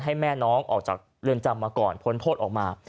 ให้แม่น้องออกจากเรือนจำมาก่อนพ้นโทษออกมา